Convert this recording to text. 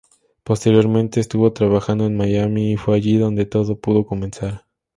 Posteriormente estuvo trabajando en Miami y fue allí donde todo pudo comenzar.